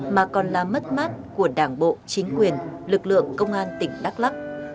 mà còn là mất mát của đảng bộ chính quyền lực lượng công an tỉnh đắk lắc